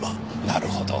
なるほど。